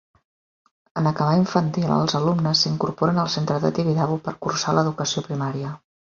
En acabar infantil, els alumnes s'incorporen al centre de Tibidabo per cursar l'educació primària.